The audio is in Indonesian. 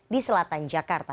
di selatan jakarta